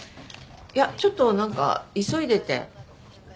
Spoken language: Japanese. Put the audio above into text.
いやちょっと何か急いでて。